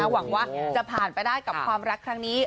หวังว่าจะผ่านไปได้กับความรักครั้งนี้